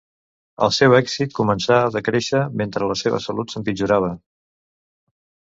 El seu èxit començà a decréixer mentre la seva salut empitjorava.